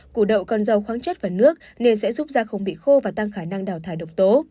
củ đậu còn rau khoáng chất và nước nên sẽ giúp da không bị khô và tăng khả năng đào thải độc tố